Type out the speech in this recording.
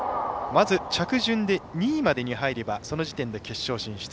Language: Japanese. まず着順で２位までに入ればその時点で決勝進出。